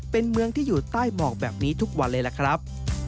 เป็นเมืองที่อยู่ใต้หมอกแบบนี้ทุกวันเลยล่ะครับ